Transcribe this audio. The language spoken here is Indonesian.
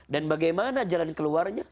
dan bagaimana jalan keluarnya